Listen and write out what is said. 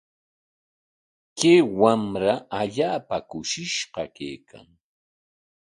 Kay wamra allaapa kushishqa kaykan.